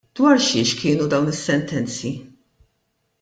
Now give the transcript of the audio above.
Dwar xiex kienu dawn is-sentenzi?